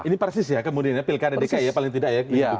ini persis ya kemudian ya pilkada dki ya paling tidak ya